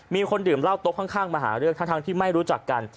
มีคนดื่มเหล้าโต๊ะข้างมาหาเรื่องทั้งที่ไม่รู้จักกัน